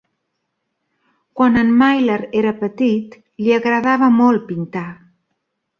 Quan en Miler era petit, li agradava molt pintar.